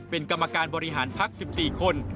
เป็นกรรมการบริหารพัก๑๔คน